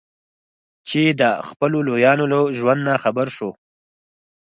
چې د خپلو لویانو له ژوند نه خبر شو.